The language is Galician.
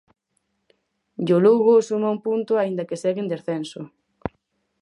E o Lugo suma un punto aínda que segue en descenso.